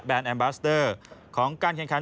แอมบาสเตอร์ของการแข่งขัน